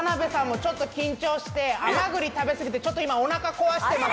ちょっと緊張して甘栗食べすぎてちょっと今、おなか壊してます。